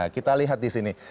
kita lihat disini